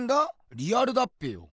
リアルだっぺよ。